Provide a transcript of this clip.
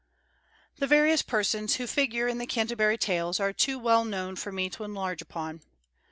The various persons who figure in the "Canterbury Tales" are too well known for me to enlarge upon.